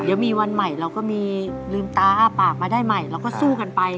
เดี๋ยวมีวันใหม่เราก็มีลืมตาอ้าปากมาได้ใหม่เราก็สู้กันไป